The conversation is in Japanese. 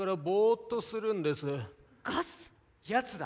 やつだ。